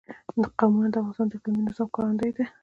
قومونه د افغانستان د اقلیمي نظام ښکارندوی ده.